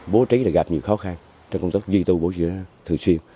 bố trí là gặp nhiều khó khăn trong công tác duy tư bố trí thường xuyên